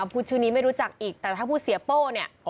พูดชื่อนี้ไม่รู้จักอีกแต่ถ้าพูดเสียโป้เนี่ย